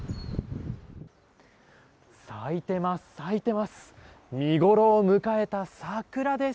咲いてます、咲いてます！